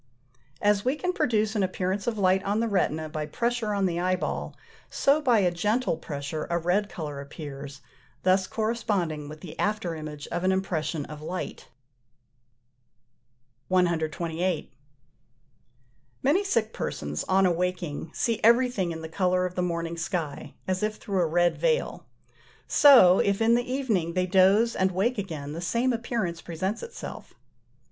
As we can produce an appearance of light on the retina by pressure on the eyeball, so by a gentle pressure a red colour appears, thus corresponding with the after image of an impression of light. 128. Many sick persons, on awaking, see everything in the colour of the morning sky, as if through a red veil: so, if in the evening they doze and wake again, the same appearance presents itself.